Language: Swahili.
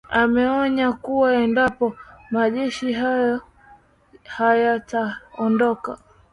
ameonya kuwa endapo majeshi hayo hayataondoka